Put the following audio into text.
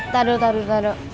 taduh taduh taduh